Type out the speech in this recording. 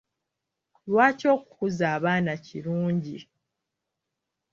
Lwaki okukuza abaana kirungi?